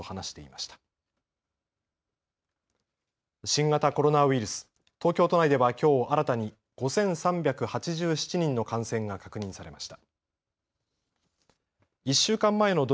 新型コロナウイルス、東京都内ではきょう新たに、５３８７人の感染が確認されました。